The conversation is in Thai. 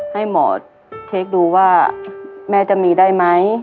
ให้หมอเช็คดูว่าแม่จะมีได้ไหม